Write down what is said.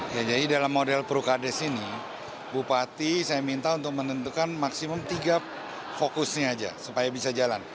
pada umumnya bupati saya minta untuk menentukan maksimum tiga fokusnya saja supaya bisa jalan